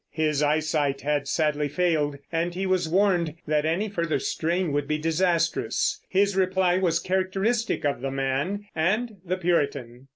His eyesight had sadly failed, and he was warned that any further strain would be disastrous. His reply was characteristic of the man and the Puritan.